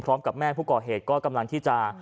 พร้อมกับแม่ผู้ก่อเหตุก็กำลังที่จะ